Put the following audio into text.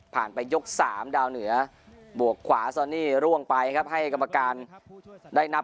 ไปยก๓ดาวเหนือบวกขวาซอนี่ร่วงไปครับให้กรรมการได้นับ